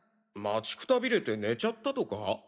待ちくたびれて寝ちゃったとか？